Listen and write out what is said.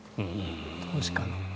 投資家の。